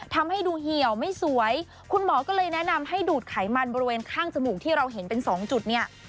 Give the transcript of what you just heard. ทำให้ดูเหี่ยวไม่สวยคุณหมอก็เลยแนะนำให้ดูดไขมันบริเวณข้างจมูกที่เราเห็นเป็นสองจุดเนี่ย